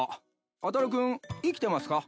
あたる君生きてますか？